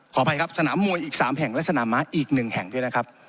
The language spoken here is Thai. อภัยครับสนามมวยอีก๓แห่งและสนามม้าอีก๑แห่งด้วยนะครับ